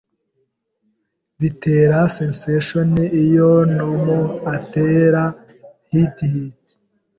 Bitera sensation iyo Nomo atera hit-hit.